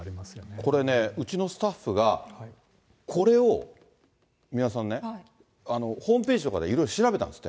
これね、うちのスタッフがこれを三輪さんね、ホームページとかでいろいろ調べたんですって。